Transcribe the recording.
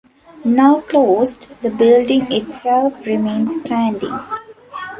Now closed, the building itself remains standing.